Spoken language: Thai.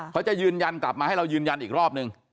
เขาจะยืนยันกลับมาให้เรายืนยันอีกรอบนึง